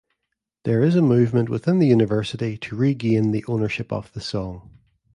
There is a movement within the university to regain the ownership of the song.